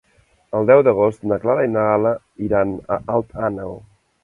El deu d'agost na Clara i na Gal·la iran a Alt Àneu.